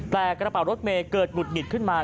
แต่กระเป๋ารถเมย์เกิดหงุดหงิดขึ้นมา